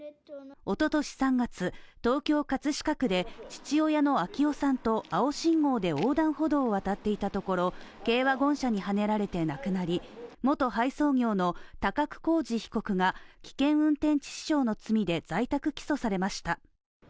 おととし３月、東京・葛飾区で父親の暁生さんと青信号で横断歩道を渡っていたところ軽ワゴン車にはねられて亡くなり元配送業の高久浩二被告が危険運転致死傷の罪で在宅起訴されました。